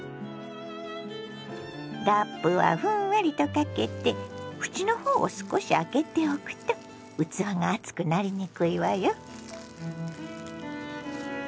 ラップはふんわりとかけて縁の方を少し開けておくと器が熱くなりにくいわよ。